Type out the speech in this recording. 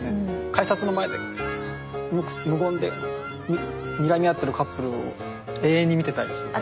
改札の前で無言でにらみ合ってるカップルを永遠に見てたいですもん。